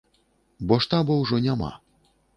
Бо штаба ўжо няма.